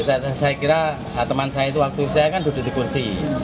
saya kira teman saya itu waktu saya kan duduk di kursi